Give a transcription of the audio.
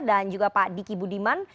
dan juga pak diki budiman